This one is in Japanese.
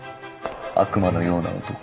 悪魔のような男。